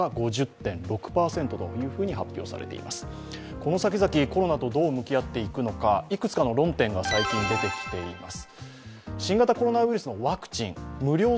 この先々、コロナとどう向き合っていくのか、いくつかの論点が最近出てきています。